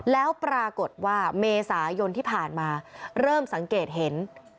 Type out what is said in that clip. แล้วปรากฏว่าเมษายนที่ผ่านมาเริ่มสังเกตเห็น